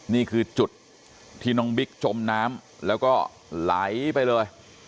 นี่คือจุดที่น้องบิ๊กจมน้ำแล้วก็ไหลไปเลย